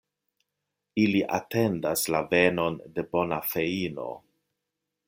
Ili atendas la venon de bona feino.